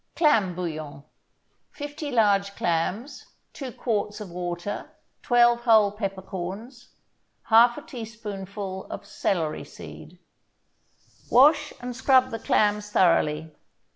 CLAM BOUILLON 50 large clams 2 quarts of water 12 whole peppercorns 1/2 teaspoonful of celery seed Wash and scrub the clams thoroughly.